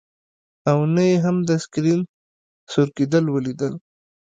او نه یې هم د سکرین سور کیدل ولیدل